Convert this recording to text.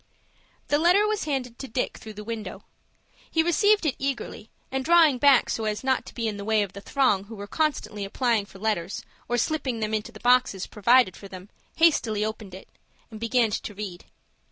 The letter was handed to Dick through the window. He received it eagerly, and drawing back so as not to be in the way of the throng who were constantly applying for letters, or slipping them into the boxes provided for them, hastily opened it, and began to read.